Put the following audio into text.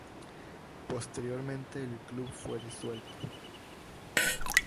Posteriormente el club fue disuelto.